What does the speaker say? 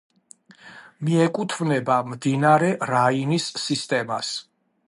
მიეკუთვნება მდინარე რაინის სისტემას.